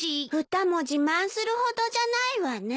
歌も自慢するほどじゃないわね。